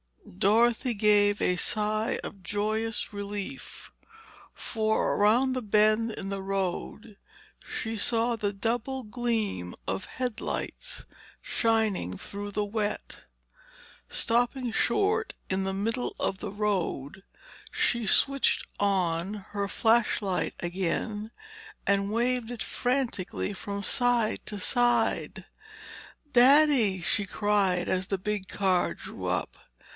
Dorothy gave a sigh of joyous relief, for around the bend in the road she saw the double gleam of headlights, shining through the wet. Stopping short in the middle of the road, she switched on her flashlight again and waved it frantically from side to side. "Daddy!" she cried as the big car drew up.